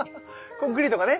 コンクリートがね。